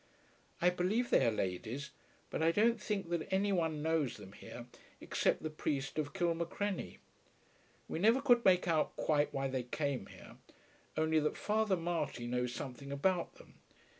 I believe they are ladies, but I don't think that any one knows them here, except the priest of Kilmacrenny. We never could make out quite why they came here, only that Father Marty knows something about them.